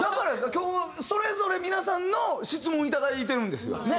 今日それぞれ皆さんの質問をいただいてるんですよね。